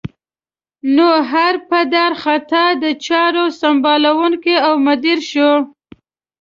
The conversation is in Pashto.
نو هر پدر خطا د چارو سمبالوونکی او مدیر شو.